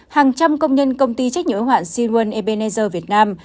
hàng trăm công nhân công ty trách nhiễu hạn sinwon ebenezer việt nam